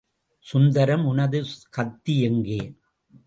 சுந்தரம், உனது கத்தி எங்கே?